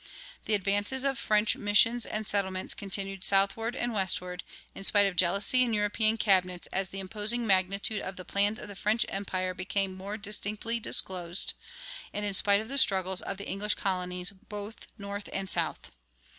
The advances of French missions and settlements continued southward and westward, in spite of jealousy in European cabinets as the imposing magnitude of the plans of French empire became more distinctly disclosed, and in spite of the struggles of the English colonies both North and South.